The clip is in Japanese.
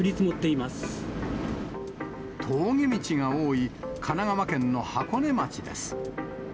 峠道が多い神奈川県の箱根町です。